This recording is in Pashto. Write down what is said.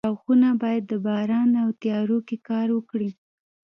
د موټرو څراغونه باید د باران او تیارو کې کار وکړي.